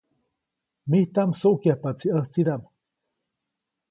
Mijtaʼm msuʼkyajpaʼtsi ʼäjtsidaʼm.